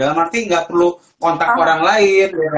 dalam arti nggak perlu kontak orang lain